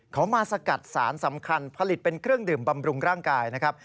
เขามาสกัดสารสำคัญผลิตเป็นเครื่องดื่มบำรุงร่างกายนะครับ